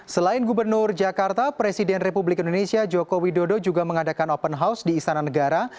selain gubernur jakarta presiden republik indonesia joko widodo juga mengadakan open house di istana negara